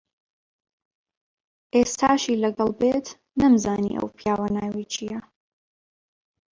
ئێستاشی لەگەڵ بێت نەمزانی ئەو پیاوە ناوی چییە.